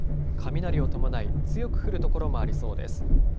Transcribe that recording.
雷を伴い、強く降る所もありそうです。